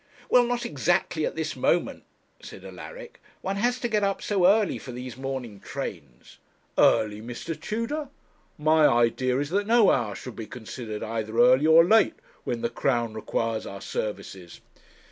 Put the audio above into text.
'Well, not exactly at this moment,' said Alaric. 'One has to get up so early for these morning trains.' 'Early, Mr. Tudor! my idea is that no hour should be considered either early or late when the Crown requires our services.'